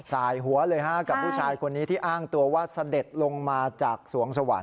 สายหัวเลยฮะกับผู้ชายคนนี้ที่อ้างตัวว่าเสด็จลงมาจากสวงสวรรค